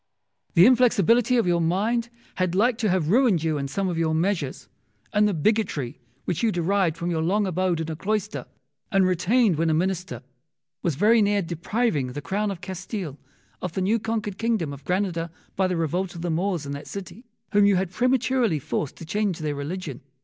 Wolsey. The inflexibility of your mind had like to have ruined you in some of your measures; and the bigotry which you had derived from your long abode in a cloister, and retained when a Minister, was very near depriving the Crown of Castile of the new conquered kingdom of Granada by the revolt of the Moors in that city, whom you had prematurely forced to change their religion.